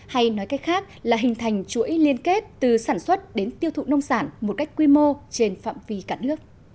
hay nói cách khác là hình thành chuỗi liên kết từ sản xuất đến tiêu thụ nông sản một cách quy mô trên phạm vi cả nước